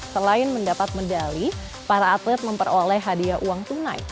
selain mendapat medali para atlet memperoleh hadiah uang tunai